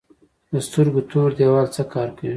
د سترګو تور دیوال څه کار کوي؟